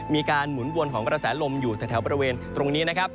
หมุนวนของกระแสลมอยู่แถวบริเวณตรงนี้นะครับ